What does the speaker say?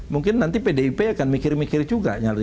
mungkin nanti pdip akan mikir mikir juga